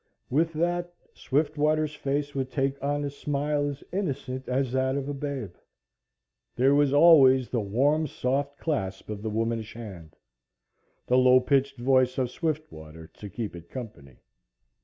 With that, Swiftwater's face would take on a smile as innocent as that of a babe. There was always the warm, soft clasp of the womanish hand the low pitched voice of Swiftwater to keep it company.